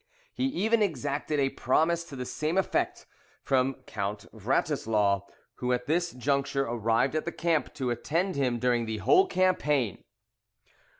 He even exacted a promise to the same effect from Count Wratislaw, who at this juncture arrived at the camp to attend him during the whole campaign.